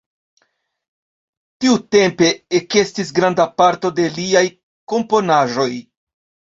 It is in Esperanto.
Tiutempe ekestis granda parto de liaj komponaĵoj.